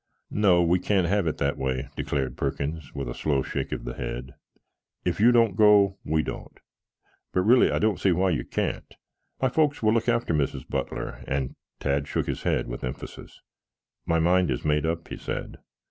"No, we can't have it that way," declared Perkins, with a slow shake of the head. "If you don't go, we don't. But really, I don't see why you can't. My folks will look after Mrs. Butler, and " Tad shook his head with emphasis. "My mind is made up," he said.